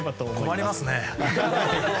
困りますね。